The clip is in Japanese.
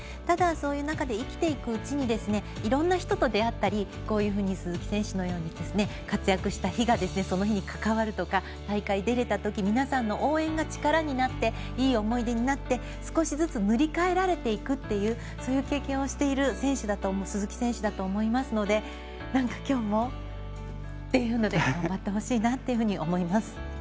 ただ、そういう中で生きていくうちにいろんな人とであったりこういうふうに鈴木選手のように活躍した日がその日に関わるとか大会出れたときに皆さんの応援が力になって、いい思い出になって少しずつ塗り替えられていくというそういう経験をしている選手が鈴木選手だと思いますので今日も頑張ってほしいなと思います。